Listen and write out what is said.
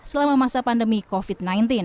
selama masa pandemi covid sembilan belas